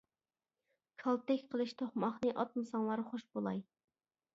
كالتەك قىلىچ توقماقنى، ئاتمىساڭلار خوش بولاي.